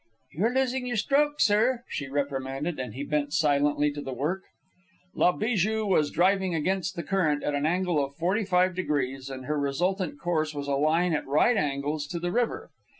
"You're losing your stroke, sir," she reprimanded; and he bent silently to the work. La Bijou was driving against the current at an angle of forty five degrees, and her resultant course was a line at right angles to the river.